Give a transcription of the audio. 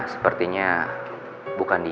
sama baik oversized january ini